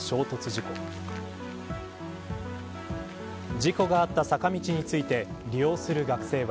事故があった坂道について利用する学生は。